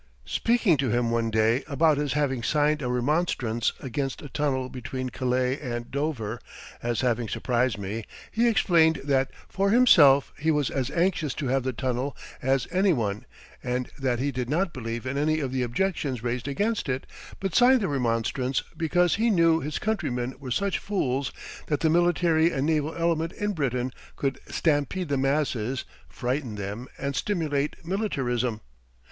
[Illustration: HERBERT SPENCER AT SEVENTY EIGHT] Speaking to him one day about his having signed a remonstrance against a tunnel between Calais and Dover as having surprised me, he explained that for himself he was as anxious to have the tunnel as any one and that he did not believe in any of the objections raised against it, but signed the remonstrance because he knew his countrymen were such fools that the military and naval element in Britain could stampede the masses, frighten them, and stimulate militarism.